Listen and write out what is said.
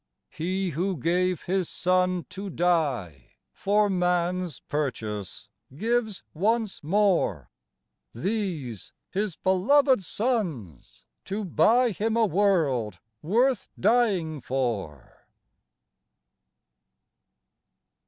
He who gave His Son to die For man's purchase, gives once more These, His beloved sons, to buy Him a vorld worth dying for.